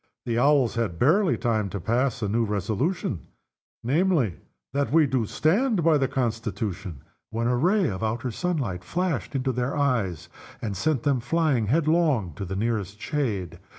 The Owls had barely time to pass a new resolution, namely, "That we do stand by the Constitution," when a ray of the outer sunlight flashed into their eyes, and sent them flying headlong to the nearest shade.